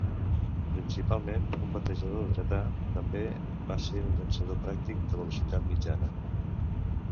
Principalment un batejador dretà, també va ser un llançador practic de velocitat mitjana.